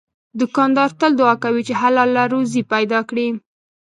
دوکاندار تل دعا کوي چې حلال روزي پیدا کړي.